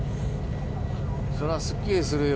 そらすっきりするよ。